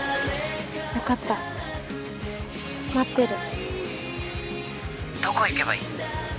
分かった待ってるどこ行けばいい？